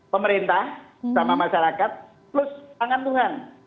pemerintah sama masyarakat plus pangan tuhan